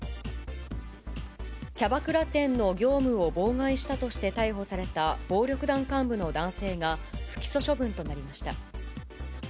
キャバクラ店の業務を妨害したとして逮捕された暴力団幹部の男性が、不起訴処分となりました。